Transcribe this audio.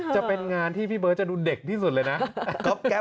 จะเป็นงานที่พี่เบิร์ตจะดูเด็กที่สุดเลยนะ